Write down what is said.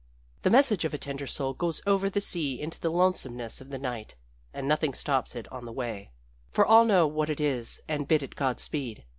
"The message of a tender soul goes over the sea into the lonesomeness of the night and nothing stops it on the way, for all know what it is and bid it godspeed.